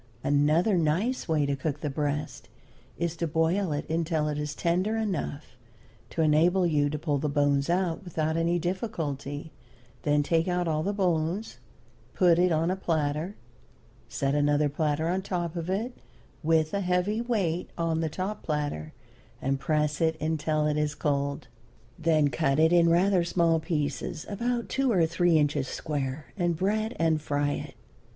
Another nice way to cook the breast is to boil it until it is tender enough to enable you to pull the bones out without any difficulty; then take out all the bones, put it on a platter, set another platter on top of it with a heavy weight on the top platter, and press it until it is cold. Then cut it in rather small pieces, about two or three inches square, and bread and fry it.